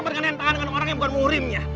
berkenaan dengan orang yang bukan murimnya